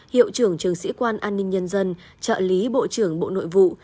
hiệu trưởng trường sĩ quan an ninh nhân dân trợ lý bộ trưởng bộ nội vụ